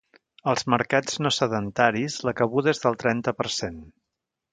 Als mercats no sedentaris la cabuda és del trenta per cent.